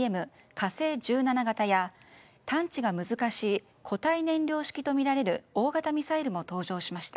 「火星１７型」や探知が難しい固体燃料式とみられる大型ミサイルも登場しました。